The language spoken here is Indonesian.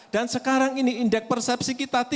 dan sekarang ini indeks persepsi kita tiga puluh delapan